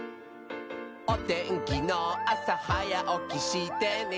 「おてんきのあさはやおきしてね」